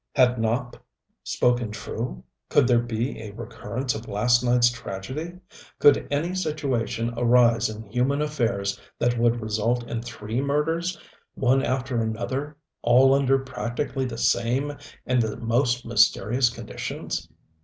Had Nopp spoken true could there be a recurrence of last night's tragedy? Could any situation arise in human affairs that would result in three murders, one after another, all under practically the same and the most mysterious conditions?